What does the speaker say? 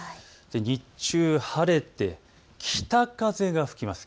日中、晴れて北風が吹きます。